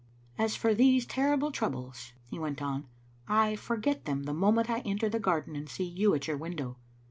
"As for these terrible troubles," he went on, "I for get them the moment I enter the garden and see you at your window.